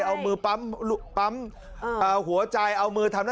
เอามือปั๊มหัวใจเอามือทำอะไร